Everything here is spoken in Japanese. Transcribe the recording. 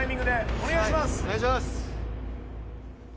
お願いします！